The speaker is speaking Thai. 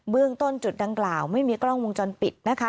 เรื่องต้นจุดดังกล่าวไม่มีกล้องวงจรปิดนะคะ